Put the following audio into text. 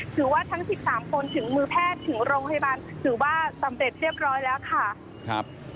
ถือว่าทั้ง๑๓คนถึงมือแพทย์ถึงโรงพยาบาลถือว่าสำเร็จเรียบร้อยแล้วค่ะครับ